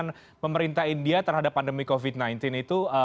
harapan pemerintah india terhadap pandemi covid sembilan belas itu